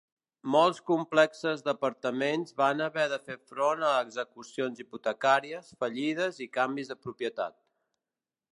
Molts complexes d"apartaments van haver de fer front a execucions hipotecàries, fallides i canvis de propietat.